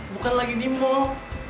bukan lagi di mall